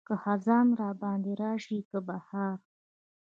که خزان راباندې راشي که بهار.